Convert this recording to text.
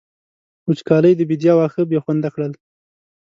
وچکالۍ د بېديا واښه بې خونده کړل.